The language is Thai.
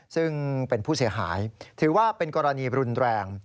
ซึ่งเป็นผู้เสียหายถือว่าเป็นกรณีรุนแรง